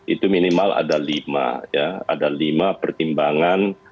itu minimal ada lima pertimbangan